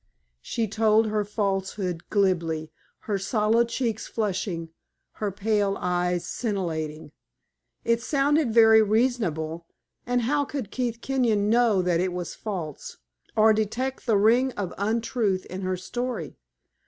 She told her falsehood glibly, her sallow cheek flushing, her pale eyes scintillating. It sounded very reasonable; and how could Keith Kenyon know that it was false, or detect the ring of untruth in her story?